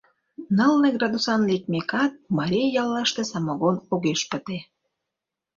Нылле градусан лекмекат, марий яллаште самогон огеш пыте.